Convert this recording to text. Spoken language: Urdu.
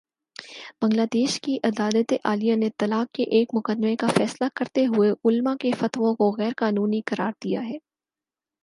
بنگلہ دیش کی عدالتِ عالیہ نے طلاق کے ایک مقدمے کا فیصلہ کرتے ہوئے علما کے فتووں کو غیر قانونی قرار دیا ہے